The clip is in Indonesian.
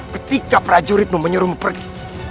ketika prajuritmu menyuruhmu pergi